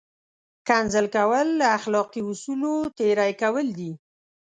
کنځل کول له اخلاقي اصولو تېری کول دي!